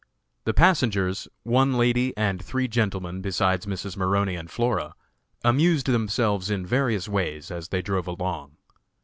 The passengers, one lady and three gentlemen besides Mrs. Maroney and Flora, amused themselves in various ways as they drove along.